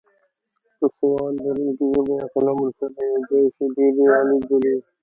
که سواد لرونکې ژبه یا قلم ورسره یوځای شي ډېر عالي جوړیږي.